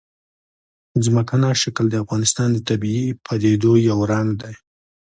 ځمکنی شکل د افغانستان د طبیعي پدیدو یو رنګ دی.